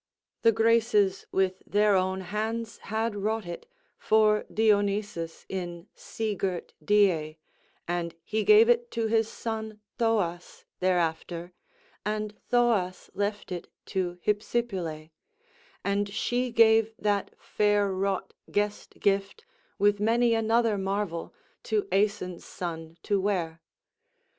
The Graces with their own hands had wrought it for Dionysus in sea girt Dia, and he gave it to his son Thoas thereafter, and Thoas left it to Hypsipyle, and she gave that fair wrought guest gift with many another marvel to Aeson's son to wear.